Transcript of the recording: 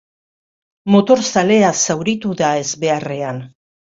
Motorzalea zauritu da ezbeharrean.